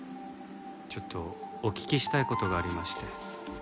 ちょっとお聞きしたい事がありまして。